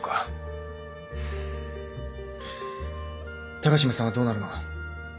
高島さんはどうなるの？